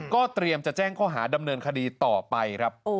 ก็เตรียมจะแจ้งข้อหาดำเนินคดีต่อไปครับ